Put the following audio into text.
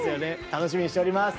楽しみにしております。